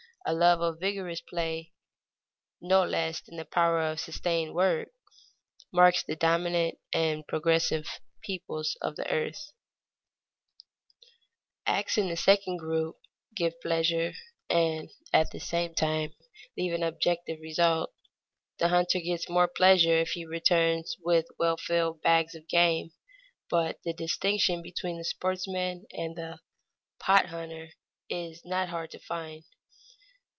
A love of vigorous play no less than the power of sustained work, marks the dominant and progressive peoples of the earth. [Sidenote: Labor as pleasure] Acts in the second group give pleasure and at the same time leave an objective result. The hunter gets more pleasure if he returns with well filled bags of game, but the distinction between the sportsman and the "pot hunter" is not hard to find.